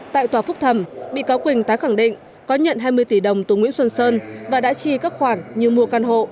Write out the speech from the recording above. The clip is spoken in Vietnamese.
tại tòa phúc thẩm bị cáo quỳnh tái khẳng định có nhận hai mươi tỷ đồng từ nguyễn xuân sơn và đã chi các khoản như mua căn hộ